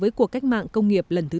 với cuộc cách mạng công nghiệp lần thứ bốn